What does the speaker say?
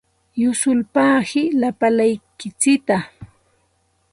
Yusulpaaqi lapalaykitsikta.